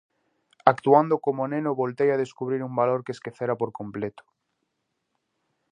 Actuando como neno voltei a descubrir un valor que esquecera por completo.